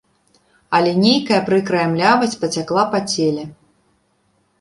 Але нейкая прыкрая млявасць пацякла па целе.